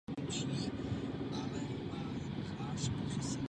Disketové mechaniky prošly cestou postupného zmenšování se současným nárůstem kapacity.